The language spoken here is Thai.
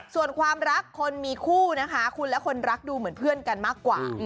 ส่วนความรักคนมีคู่นะคะคุณและคนรักดูเหมือนเพื่อนกันมากกว่า